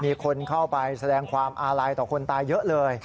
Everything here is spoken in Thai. มีคนเข้าไปแสดงความอาลัยต่อคนตายเยอะเลย